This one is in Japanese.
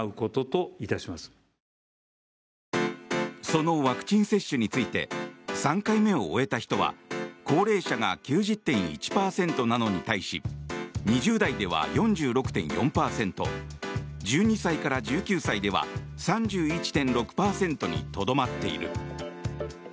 そのワクチン接種について３回目を終えた人は高齢者が９０．１％なのに対し２０代では４６．４％１２歳から１９歳では３１．６％にとどまっている。